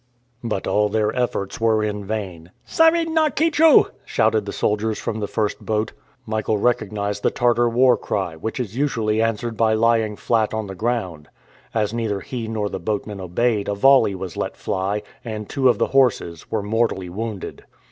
But all their efforts were in vain. "Saryn na kitchou!" shouted the soldiers from the first boat. Michael recognized the Tartar war cry, which is usually answered by lying flat on the ground. As neither he nor the boatmen obeyed a volley was let fly, and two of the horses were mortally wounded.